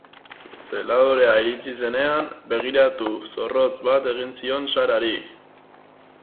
Zeladorea iritsi zenean, begiratu zorrotz bat egin zion Sarari.